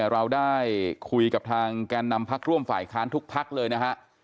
เราได้คุยกับทางแกนนำพักร่วมฝ่ายค้านทุกพักเลยนะฮะ